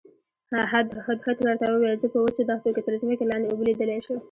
هدهد ورته وویل زه په وچو دښتو کې تر ځمکې لاندې اوبه لیدلی شم.